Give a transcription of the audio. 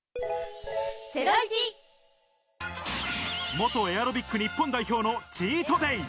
元エアロビック日本代表のチートデイ。